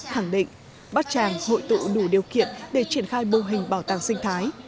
khẳng định bát tràng hội tụ đủ điều kiện để triển khai mô hình bảo tàng sinh thái